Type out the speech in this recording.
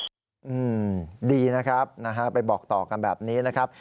อืมดีนะครับนะฮะไปบอกต่อกันแบบนี้นะครับ